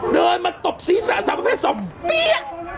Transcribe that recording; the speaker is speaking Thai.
เดินมาตบศีรษะสามแพทย์สองปี้๊ะ